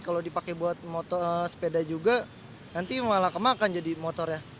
kalau dipakai buat sepeda juga nanti malah kemakan jadi motor ya